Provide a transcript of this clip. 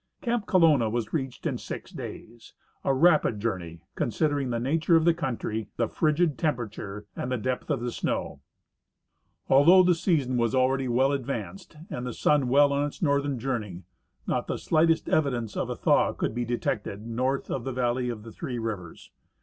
Camp Colonna Avas reached in six days, a rapid journey considering the nature of the country, the frigid temperature and the depth of the snoAV. Although the season was already Avell advanced and the sun Avell on his northern journey, not the slightest evidence of a thaAv' could be detected north of the valley of the Three Rivers.